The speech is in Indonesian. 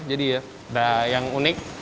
jadi ya ada yang unik